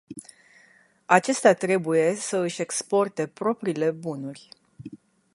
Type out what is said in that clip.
Acestea trebuie să își exporte propriile bunuri.